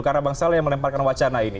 karena bang saleh yang melemparkan wacana ini